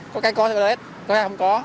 có cái có toilet có cái không có